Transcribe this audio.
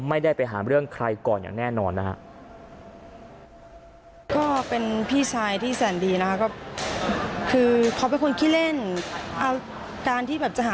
ไม่ได้ไปหาเรื่องใครก่อนอย่างแน่นอนนะฮะ